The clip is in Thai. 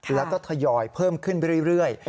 แล้วก็ทยอยเพิ่มขึ้นไปเรื่อย